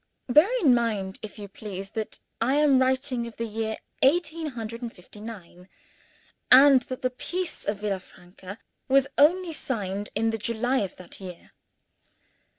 (Bear in mind, if you please, that I am writing of the year eighteen hundred and fifty nine, and that the peace of Villafranca was only signed in the July of that year.)